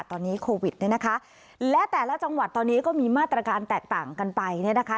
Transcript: ตอนนี้โควิดเนี่ยนะคะและแต่ละจังหวัดตอนนี้ก็มีมาตรการแตกต่างกันไปเนี่ยนะคะ